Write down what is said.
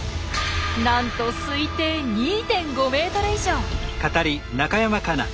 なんと推定２．５ｍ以上！